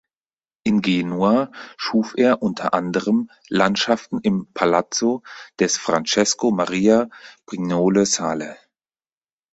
In Genua schuf er unter anderem Landschaften im Palazzo des Francesco Maria Brignole Sale.